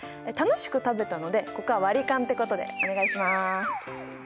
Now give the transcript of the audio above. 楽しく食べたのでここは割り勘ってことでお願いします。